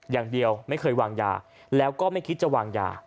อย่างเดียวไม่เคยวางยาแล้วก็ไม่คิดจะวางยา